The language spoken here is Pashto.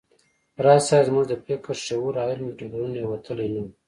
راز صيب زموږ د فکر، شعور او علم د ډګرونو یو وتلی نوم و